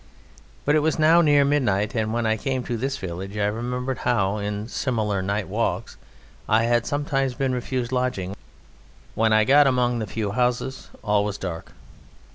But it was now near midnight, and when I came to this village I remembered how in similar night walks I had sometimes been refused lodging. When I got among the few houses all was dark.